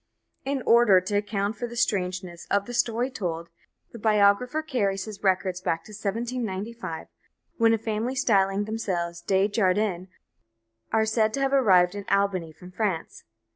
In order to account for the strangeness of the story told, the biographer carries his records back to 1795, when a family styling themselves De Jardin are said to have arrived in Albany from France.